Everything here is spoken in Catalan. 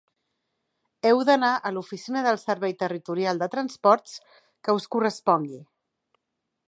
Heu d'anar a l'oficina del Servei Territorial de Transports que us correspongui.